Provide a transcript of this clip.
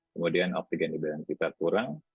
kemudian oksigen di dada kita kurang